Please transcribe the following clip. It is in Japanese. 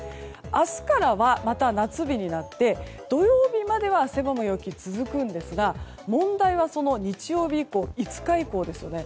明日からはまた夏日になって土曜日までは汗ばむ陽気が続くんですが問題は、日曜日以降５日以降ですね。